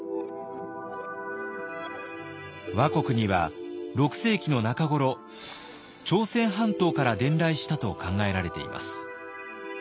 倭国には６世紀の中頃朝鮮半島から伝来したと考えられています。